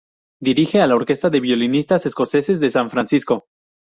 Dirige la orquesta de violinistas escoceses de San Francisco.